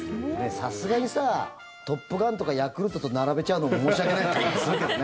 さすがにさ「トップガン」とかヤクルトと並べちゃうのも申し訳ない気がするけどね。